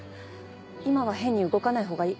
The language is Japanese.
今は変に動かないほうがいい。